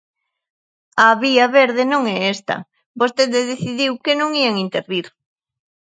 A vía verde non é esta, vostede decidiu que non ían intervir.